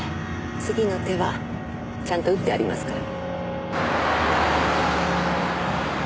次の手はちゃんと打ってありますから。